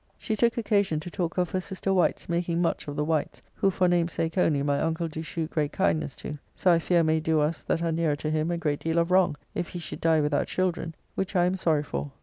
She took occasion to talk of her sister Wight's making much of the Wights, who for namesake only my uncle do shew great kindness to, so I fear may do us that are nearer to him a great deal of wrong, if he should die without children, which I am sorry for.